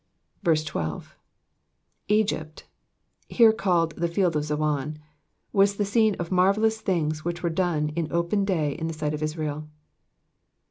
12. Egypt, here called the field of Zoan, was the scene of marvellous things which were done in open day in the sight of Israel.